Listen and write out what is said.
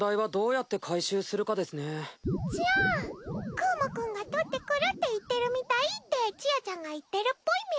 くぅもくんが取ってくるって言ってるみたいってちあちゃんが言ってるっぽいみゃ。